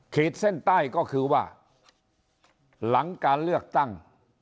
ขีดเส้นใต้ก็คือว่าหลังการเลือกตั้ง